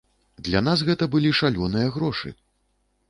Для нас гэта былі шалёныя грошы.